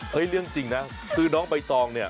เรื่องจริงนะคือน้องใบตองเนี่ย